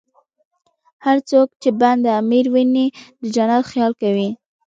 هر څوک چې بند امیر ویني، د جنت خیال کوي.